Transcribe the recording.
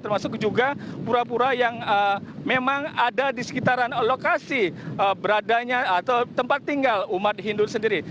termasuk juga pura pura yang memang ada di sekitaran lokasi beradanya atau tempat tinggal umat hindu sendiri